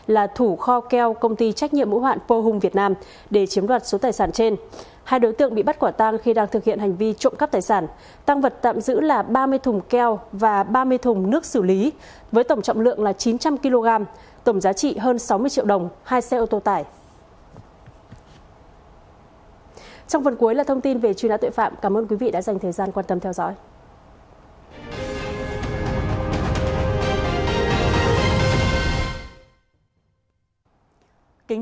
là thủ kho keo công ty trách nhiệm hữu hoạn pohung việt nam để chiếm đoạt số tài sản trên